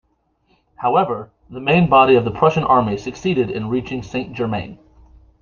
However, the main body of the Prussian army succeeded in reaching Saint-Germain.